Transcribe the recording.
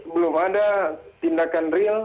belum ada tindakan real